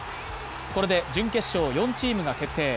これで準決勝４チームが決定。